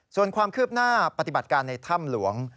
ส่วนความคืบหน้าปฏิบัติการในถ้ำหลวง